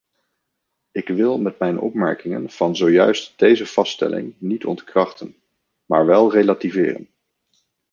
Ik wil met mijn opmerkingen van zojuist deze vaststelling niet ontkrachten, maar wel relativeren.